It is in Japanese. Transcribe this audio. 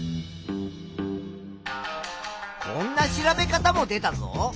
こんな調べ方も出たぞ。